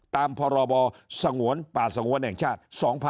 ตามพรบสงวนป่าสงวนแห่งชาติ๒๕๖๒